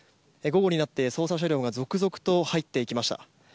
午後になって、捜査車両が続々と入っていきました。